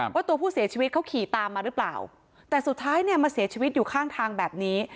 ว่าตัวผู้เสียชีวิตเขาขี่ตามมาหรือเปล่าแต่สุดท้ายเนี่ยมาเสียชีวิตอยู่ข้างทางแบบนี้